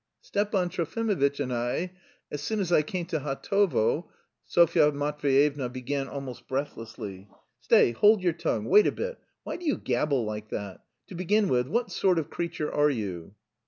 "Stepan Trofimovitch and I... as soon as I came to Hatovo..." Sofya Matveyevna began almost breathlessly. "Stay, hold your tongue, wait a bit! Why do you gabble like that? To begin with, what sort of creature are you?"